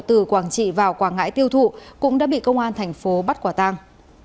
từ quảng trị vào quảng ngãi tiêu thụ cũng đã bị công an tp bắt quả tăng